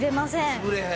潰れへん。